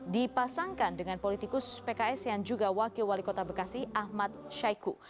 dipasangkan dengan politikus pks yang juga wakil wali kota bekasi ahmad syaiku